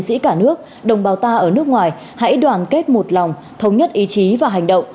dĩ cả nước đồng bào ta ở nước ngoài hãy đoàn kết một lòng thống nhất ý chí và hành động